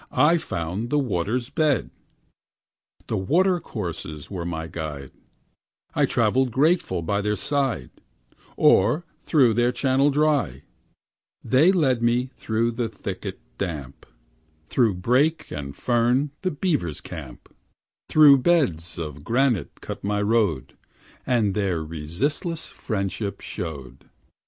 I found the water's bed. The watercourses were my guide; I travelled grateful by their side, Or through their channel dry; They led me through the thicket damp, Through brake and fern, the beavers' camp, Through beds of granite cut my road, And their resistless friendship showed.